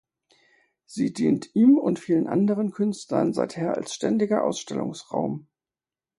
Sie dient ihm und vielen anderen Künstler seither als ständiger Ausstellungsraum.